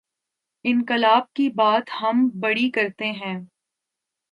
انقلا ب کی بات ہم بڑی کرتے ہیں۔